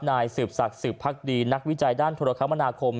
นายสื่อสักสื่อพลักษณีย์นักวิจัยด้านธรรมนาคม